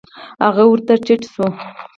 هغه ورته ټيټ سو.